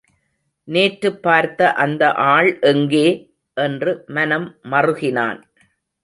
நேற்றுப்பார்த்த அந்த ஆள் எங்கே? என்று மனம் மறுகினான்.